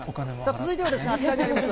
続いてはあちらになります。